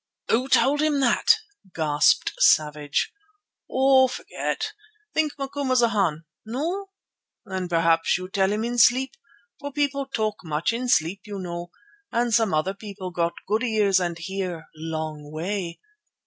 "Who told him that?" gasped Savage. "Oh! forget. Think Macumazana. No? Then p'raps you tell him in sleep, for people talk much in sleep, you know, and some other people got good ears and hear long way.